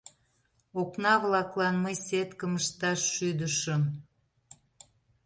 Окна-влаклан мый сеткым ышташ шӱдышым.